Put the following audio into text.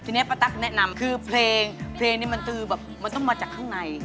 ทีนี้ปะตักแนะนำคือเพลงมันต้องมาจากข้างใน